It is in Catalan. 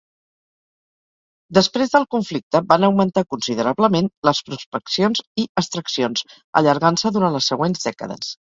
Després del conflicte, van augmentar considerablement les prospeccions i extraccions, allargant-se durant les següents dècades.